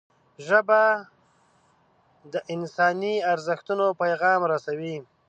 ژبه د انساني ارزښتونو پیغام رسوي